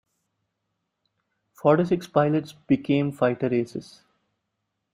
Forty six pilots became fighter aces.